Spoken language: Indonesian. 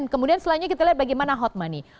kemudian selanjutnya kita lihat bagaimana hot money